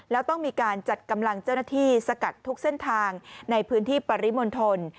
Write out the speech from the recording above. แล้วต้องมีการจัดกำลังเจ้าหน้าที่สกัดทุกเส้นทางในพื้นที่ปริมณฑล